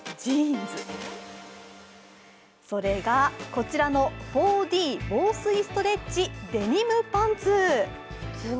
こちらの４Ｄ防水ストレッチデニムパンツ。